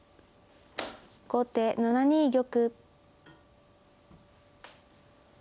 後手７二玉。